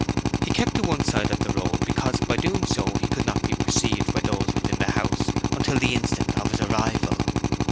He kept to one side of the road because by so doing he could not be perceived by those within the house until the instant of his arrival.